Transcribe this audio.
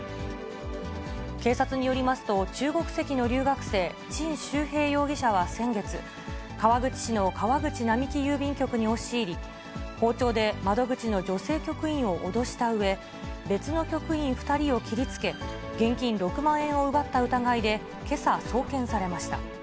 警察によりますと、中国籍の留学生、陳秀平容疑者は先月、川口市の川口並木郵便局に押し入り、包丁で窓口の女性局員を脅したうえ、別の局員２人を切りつけ、現金６万円を奪った疑いで、けさ、送検されました。